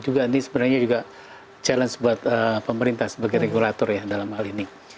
juga ini sebenarnya juga challenge buat pemerintah sebagai regulator ya dalam hal ini